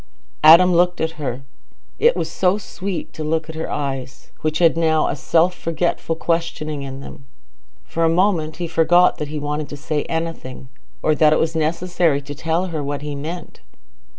Adam looked at her. It was so sweet to look at her eyes, which had now a self forgetful questioning in them—for a moment he forgot that he wanted to say anything, or that it was necessary to tell her what he meant.